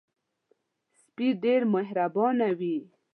سپي ډېر مهربانه وي.